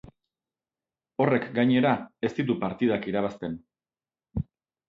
Horrek gainera ez ditu partidak irabazten.